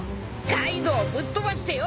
カイドウぶっ飛ばしてよ！